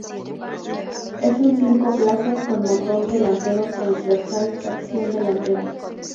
Es un cinco plazas con motor delantero transversal, tracción delantera.